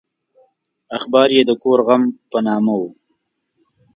اخبار یې د کور غم په نامه و.